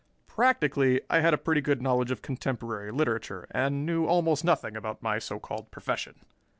Practically I had a pretty good knowledge of contemporary literature and knew almost nothing about my so called profession.